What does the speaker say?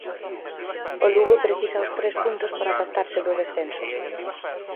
O Lugo precisa os tres puntos para afastarse do descenso.